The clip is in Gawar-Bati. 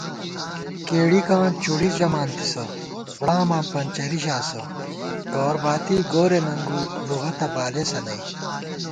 کېڑِکاں چُوڑی ژَمانتی، بڑاماں پنچَرِی ژاسہ * گوَر باتی گورے ننگُوئی لُغَتہ بالېسہ نئ